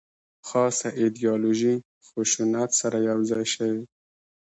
خاصه ایدیالوژي خشونت سره یو ځای شوې.